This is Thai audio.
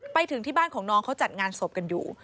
ไปถึงที่บ้านของน้องเขาจัดงานศพกันอยู่